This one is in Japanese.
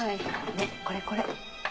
ねっこれこれ。